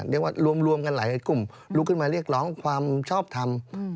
เรียกว่ารวมกันหลายกลุ่มลุกขึ้นมาเรียกร้องความชอบทำ